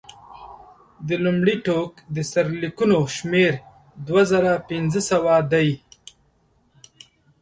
د لومړي ټوک د سرلیکونو شمېر دوه زره پنځه سوه دی.